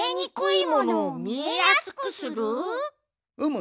うむ。